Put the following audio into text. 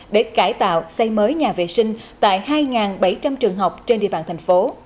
để cải tạo xây mới nhà vệ sinh tại hai bảy trăm linh trường học trên địa bàn thành phố